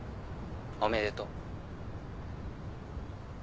おめでとう。